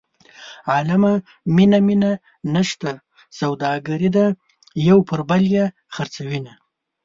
عالمه مینه مینه نشته سوداګري ده یو پر بل یې خرڅوینه.